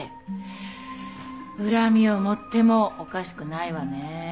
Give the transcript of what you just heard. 恨みを持ってもおかしくないわね。